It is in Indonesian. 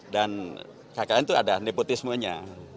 dan kkn itu ada nepotismenya